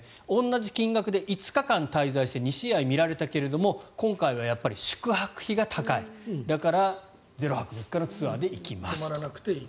同じ金額で５日間滞在して２試合見られたけども今回は宿泊費が高いだから０泊３日のツアーで行きますと。